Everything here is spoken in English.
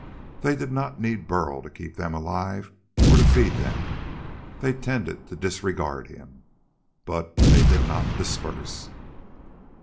They did not need Burl to keep them alive or to feed them. They tended to disregard him. But they did not disperse.